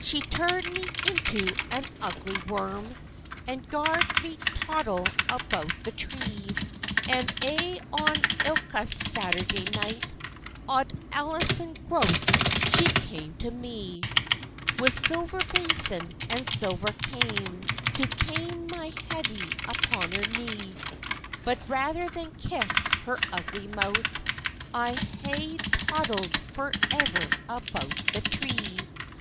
She turn'd me into an ugly worm, And gar'd me toddle about the tree; And aye on ilka Saturday night, Auld Alison Gross she came to me, With silver basin, and silver kame, To kame my headie upon her knee; But rather than kiss her ugly mouth, I'd ha'e toddled for ever about the tree.